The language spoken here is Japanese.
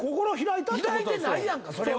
開いてないやんかそれは。